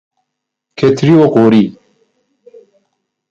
کتری و قوری